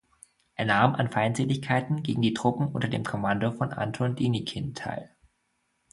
Er nahm an Feindseligkeiten gegen die Truppen unter dem Kommando von Anton Denikin teil.